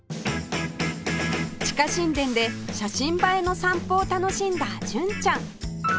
地下神殿で写真映えの散歩を楽しんだ純ちゃん